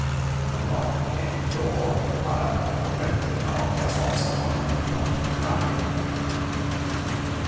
A knock came at the door, a quiet but peremptory knock, as of some one who would not be denied.